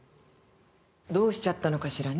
どうしちゃったのかしらね